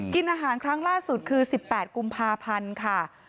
กินอาหารครั้งล่าสุดคือ๑๘กุมภาพันธ์ค่ะ